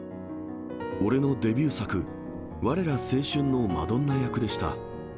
俺のデビュー作、われら青春！のマドンナ役でした。